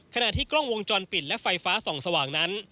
ขณะที่กล้องวงจรปิดและไฟฟ้าส่องสว่างนั้น